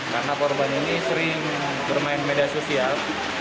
karena korban ini sering bermain media sosial